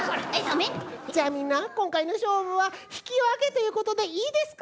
じゃあみんなこんかいのしょうぶはひきわけということでいいですか？